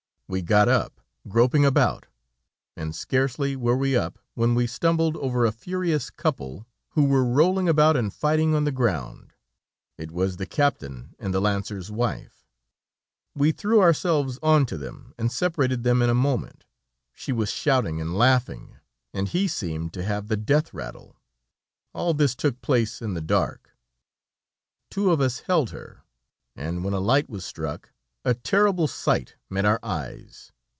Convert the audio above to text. We got up, groping about and scarcely were we up when we stumbled over a furious couple who were rolling about and fighting on the ground. It was the captain and the lancer's wife. We threw ourselves on to them, and separated them in a moment. She was shouting and laughing, and he seemed to have the death rattle. All this took place in the dark. Two of us held her, and when a light was struck, a terrible sight met our eyes.